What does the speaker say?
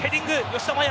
吉田麻也。